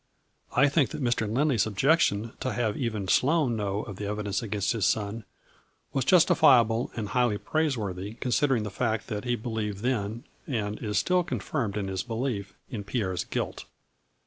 " I think that Mr. Lindley's objection to have even Sloane know of the evi dence against his son was justifiable and highly praiseworthy, considering the fact that he be lieved then, and is still confirmed in his belief, in Pierre's guilt."